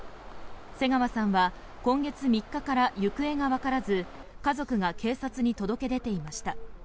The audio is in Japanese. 瀬川さんは今月３日から行方がわからず家族が警察に届け出ていました。